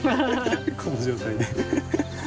この状態で。